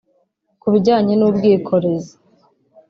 Ku bijyanye n’ubwikorezi